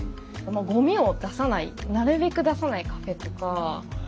ごみを出さないなるべく出さないカフェとか。